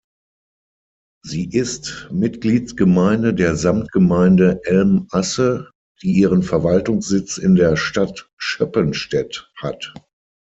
Sie ist Mitgliedsgemeinde der Samtgemeinde Elm-Asse, die ihren Verwaltungssitz in der Stadt Schöppenstedt hat.